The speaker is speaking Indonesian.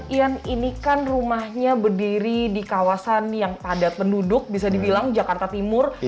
ian ini kan rumahnya berdiri di kawasan yang padat penduduk bisa dibilang jakarta timur